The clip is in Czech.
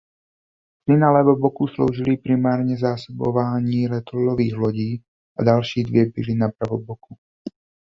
Tři na levoboku sloužily primárně zásobování letadlových lodí a další dvě byly na pravoboku.